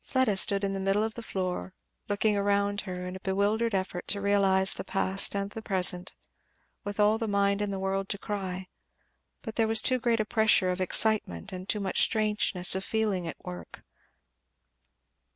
Fleda stood still in the middle of the floor, looking around her, in a bewildered effort to realize the past and the present; with all the mind in the world to cry, but there was too great a pressure of excitement and too much strangeness of feeling at work.